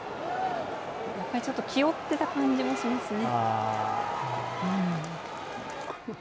ちょっと気負ってた感じもしますね。